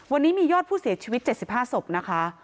วันนี้มียอดผู้เสียชีวิต๗๕ศพนะคะ